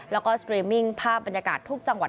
แล้วก็สตรีมมิ่งภาพบรรยากาศทุกจังหวัด